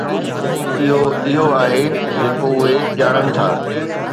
اھو اھو آھي جيڪو اھي ڄاڻن ٿا.